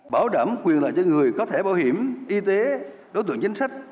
bảo đảm quyền lợi cho người có thể bảo hiểm y tế đối tượng chính sách